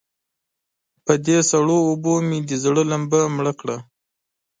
پر دې سړو اوبو مې د زړه لمبه مړه کړه.